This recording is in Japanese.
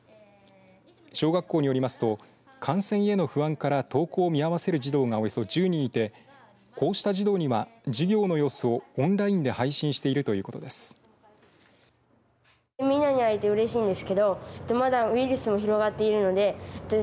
小学校によりますと感染への不安から登校を見合わせる児童がおよそ１０人いてこうした児童には、授業の様子をオンラインで配信しているということです。